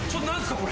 これ。